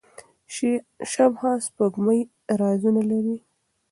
شبح سپوږمۍ رازونه لري.